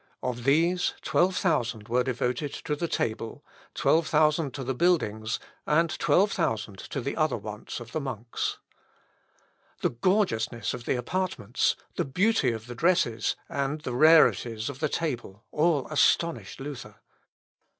Of these, twelve thousand were devoted to the table, twelve thousand to the buildings, and twelve thousand to the other wants of the monks. The gorgeousness of the apartments, the beauty of the dresses, and the rarities of the table, all astonished Luther.